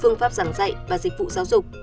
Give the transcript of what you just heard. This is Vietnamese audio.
phương pháp giảng dạy và dịch vụ giáo dục